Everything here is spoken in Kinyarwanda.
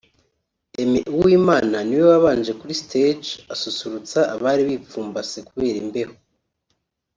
Aime Uwimana ni we wabanje kuri stage asusurutsa abari bipfumbase kubera imbeho